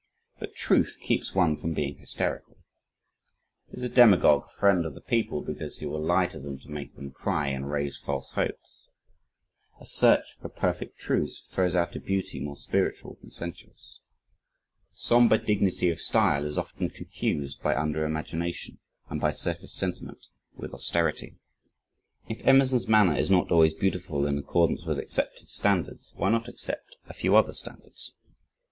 But truth keeps one from being hysterical. Is a demagogue a friend of the people because he will lie to them to make them cry and raise false hopes? A search for perfect truths throws out a beauty more spiritual than sensuous. A sombre dignity of style is often confused by under imagination and by surface sentiment, with austerity. If Emerson's manner is not always beautiful in accordance with accepted standards, why not accept a few other standards?